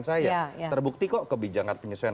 saya terbukti kok kebijakan penyesuaian